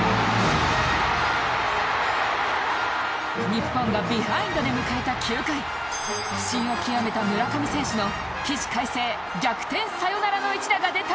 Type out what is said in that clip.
日本がビハインドで迎えた９回不振を極めた村上選手の起死回生逆転サヨナラの一打が出た場面